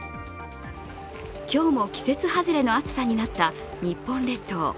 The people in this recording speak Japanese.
今日も季節外れの暑さになった日本列島。